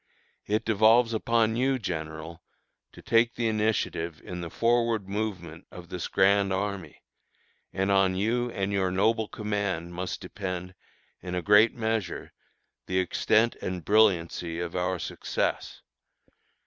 "It devolves upon you, General, to take the initiative in the forward movement of this grand army; and on you and your noble command must depend, in a great measure, the extent and brilliancy of our success.